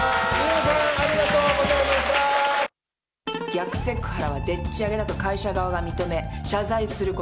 逆セクハラはでっちあげだと会社側が認め謝罪すること。